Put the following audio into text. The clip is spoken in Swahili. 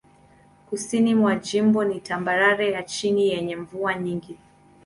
Kusini mwa jimbo ni tambarare ya chini yenye mvua nyingi.